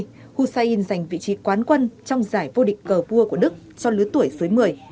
năm hai nghìn hai mươi hussein giành vị trí quán quân trong giải vô địch cờ vua của đức cho lứa tuổi dưới một mươi